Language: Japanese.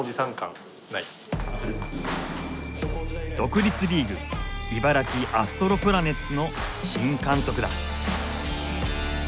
独立リーグ茨城アストロプラネッツの新監督だ。